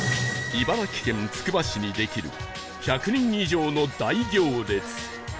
茨城県つくば市にできる１００人以上の大行列